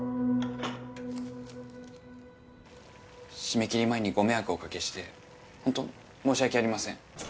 締め切り前にご迷惑おかけしてホント申し訳ありません。